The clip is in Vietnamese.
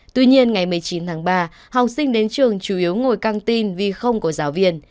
tuy nhiên ngày một mươi chín tháng ba học sinh đến trường chủ yếu ngồi căng tin vì không có giáo viên